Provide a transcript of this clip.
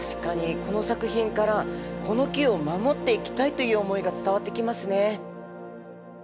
この作品から「この木を守っていきたい」という思いが伝わってきますね。